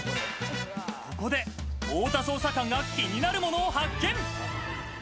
ここで太田捜査官が気になるものを発見。